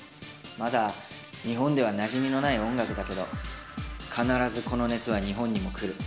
まだ日本ではなじみのない音楽だけど、必ずこの熱は日本にも来る。